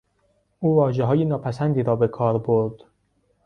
او واژههای ناپسندی را به کار برد.